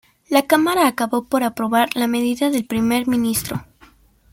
La Cámara acabó por aprobar la medida del primer ministro.